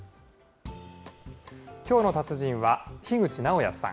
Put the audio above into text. きょうの達人は、樋口直哉さん。